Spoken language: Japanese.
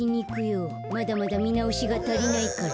まだまだみなおしがたりないから。